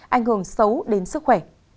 ảnh hưởng xấu đến sức khỏe